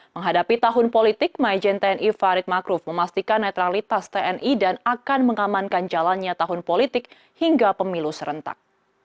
menghadapi tahun politik majen tni farid makruf memastikan netralitas tni dan akan mengamankan jalannya tahun politik hingga pemilu serentak